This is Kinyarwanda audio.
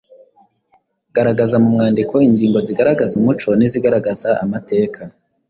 Garagaza mu mwandiko ingingo zigaragaza umuco n’izigaragaza amateka.